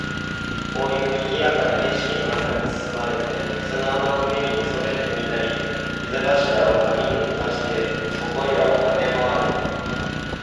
その中に知った人を一人ももたない私も、こういう賑（にぎ）やかな景色の中に裹（つつ）まれて、砂の上に寝そべってみたり、膝頭（ひざがしら）を波に打たしてそこいらを跳（は）ね廻（まわ）るのは愉快であった。